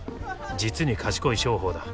実に賢い商法だ。